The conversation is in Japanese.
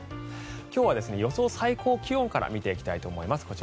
今日は予想最高気温から見ていきたいと思います。